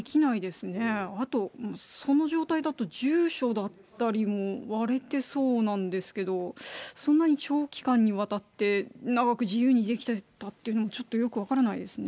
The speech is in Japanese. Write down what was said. あと、その状態だと住所だったりも割れてそうなんですけど、そんなに長期間にわたって、長く自由にできてたっていうのも、ちょっとよく分からないですね。